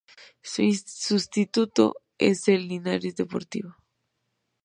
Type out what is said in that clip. Su sustituto es el Linares Deportivo.